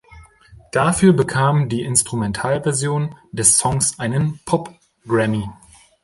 Dafür bekam die Instrumentalversion des Songs einen Pop-Grammy.